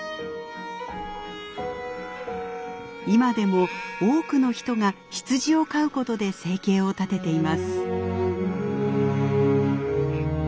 今でも多くの人が羊を飼うことで生計を立てています。